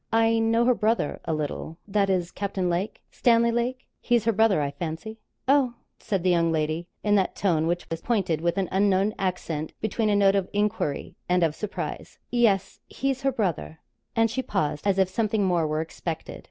'I know her brother, a little that is, Captain Lake Stanley Lake; he's her brother, I fancy?' 'Oh?' said the young lady, in that tone which is pointed with an unknown accent, between a note of enquiry and of surprise. 'Yes; he's her brother.' And she paused; as if something more were expected.